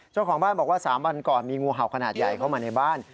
เจ้าของบ้านบอกว่า๓วันก่อนมีงูเห่าขนาดใหญ่เข้ามาในบ้าน